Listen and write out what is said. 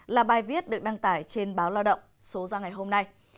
là bài viết được đăng tải trên báo lao động số ra ngày hôm nay